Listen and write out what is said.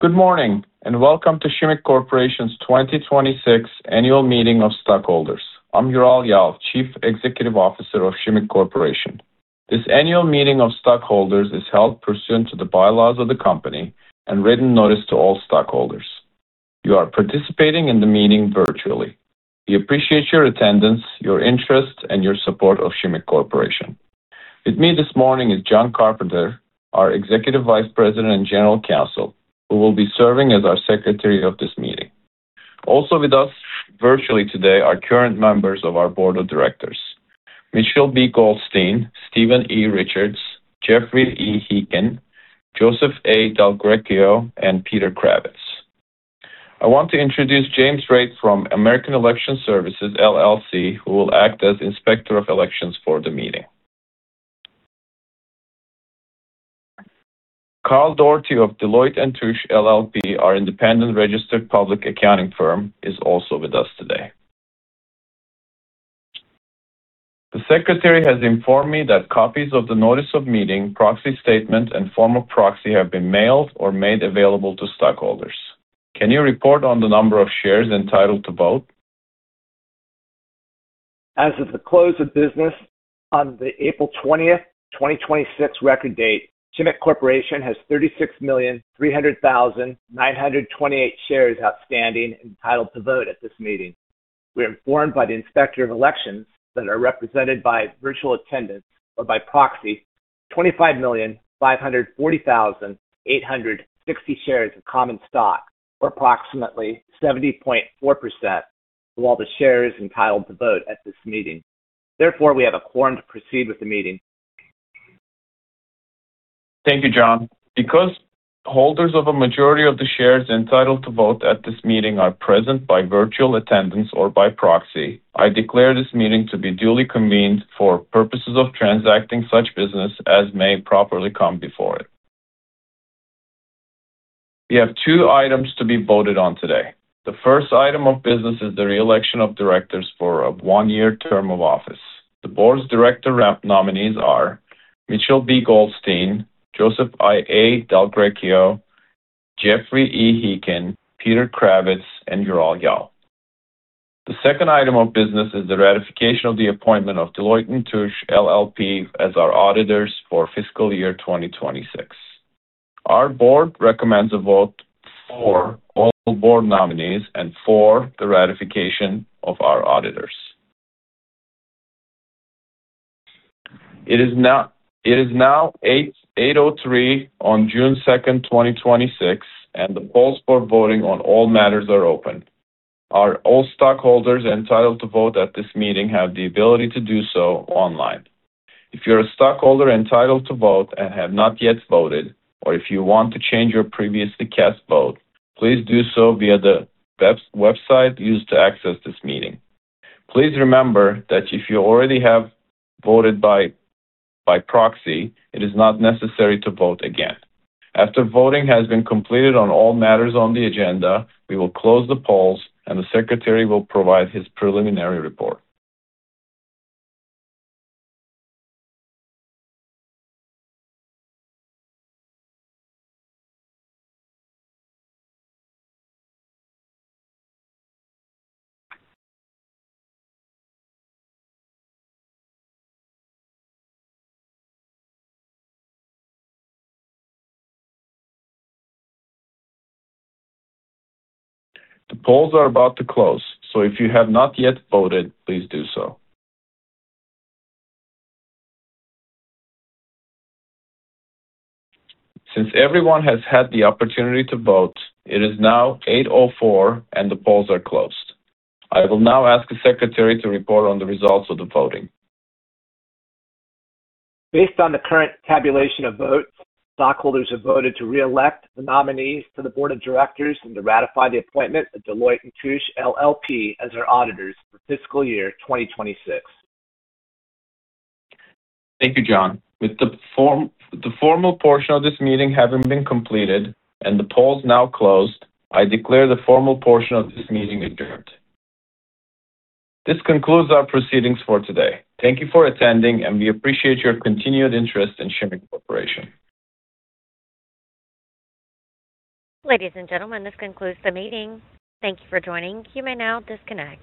Good morning, and welcome to Shimmick Corporation's 2026 Annual Meeting of Stockholders. I'm Ural Yal, Chief Executive Officer of Shimmick Corporation. This annual meeting of stockholders is held pursuant to the bylaws of the company and written notice to all stockholders. You are participating in the meeting virtually. We appreciate your attendance, your interest, and your support of Shimmick Corporation. With me this morning is John Carpenter, our Executive Vice President and General Counsel, who will be serving as our secretary of this meeting. Also, with us virtually today are current members of our Board of Directors, Mitchell B. Goldsteen, Steven E. Richards, Geoffrey E. Heekin, Joseph A. Del Guercio, and Peter Kravitz. I want to introduce James Rake from American Election Services, LLC, who will act as Inspector of Elections for the meeting. Karl Doherty of Deloitte & Touche LLP, our independent registered public accounting firm, is also with us today. The secretary has informed me that copies of the notice of meeting, proxy statement, and form of proxy have been mailed or made available to stockholders. Can you report on the number of shares entitled to vote? As of the close of business on the April 20th, 2026 record date, Shimmick Corporation has 36,300,928 shares outstanding entitled to vote at this meeting. We're informed by the Inspector of Elections that are represented by virtual attendance or by proxy 25,540,860 shares of common stock, or approximately 70.4% of all the shares entitled to vote at this meeting. Therefore, we have a quorum to proceed with the meeting. Thank you, John. Because holders of a majority of the shares entitled to vote at this meeting are present by virtual attendance or by proxy, I declare this meeting to be duly convened for purposes of transacting such business as may properly come before it. We have two items to be voted on today. The first item of business is the re-election of directors for a one-year term of office. The Board's director nominees are Mitchell B. Goldsteen, Joseph A. Del Guercio, Geoffrey E. Heekin, Peter Kravitz, and Ural Yal. The second item of business is the ratification of the appointment of Deloitte & Touche LLP, as our auditors for fiscal year 2026. Our board recommends a vote for all board nominees and for the ratification of our auditors. It is now 8:03 A.M. on June 2nd, 2026, and the polls for voting on all matters are open. Our stockholders entitled to vote at this meeting have the ability to do so online. If you're a stockholder entitled to vote and have not yet voted, or if you want to change your previously cast vote, please do so via the website used to access this meeting. Please remember that if you already have voted by proxy, it is not necessary to vote again. After voting has been completed on all matters on the agenda, we will close the polls, and the secretary will provide his preliminary report. The polls are about to close, so if you have not yet voted, please do so. Since everyone has had the opportunity to vote, it is now 8:04 A.M., and the polls are closed. I will now ask the secretary to report on the results of the voting. Based on the current tabulation of votes, stockholders have voted to re-elect the nominees to the board of directors and to ratify the appointment of Deloitte & Touche LLP, as our auditors for fiscal year 2026. Thank you, John. With the formal portion of this meeting having been completed and the polls now closed, I declare the formal portion of this meeting adjourned. This concludes our proceedings for today. Thank you for attending and we appreciate your continued interest in Shimmick Corporation. Ladies and gentlemen, this concludes the meeting. Thank you for joining. You may now disconnect.